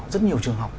rất nhiều trường học